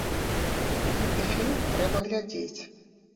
Гэты фільм трэба глядзець!